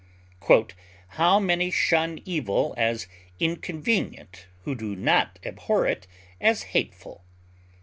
"How many shun evil as inconvenient who do not abhor it as hateful."